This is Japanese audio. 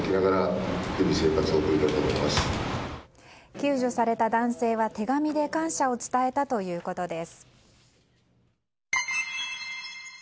救助された男性は手紙で感謝を伝えたということです。